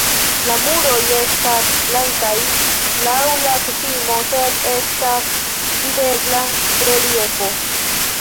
La muroj estas blankaj laŭ la kutimo, sed estas videbla reliefo.